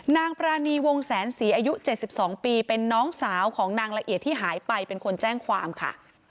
ปรานีวงแสนศรีอายุ๗๒ปีเป็นน้องสาวของนางละเอียดที่หายไปเป็นคนแจ้งความค่ะ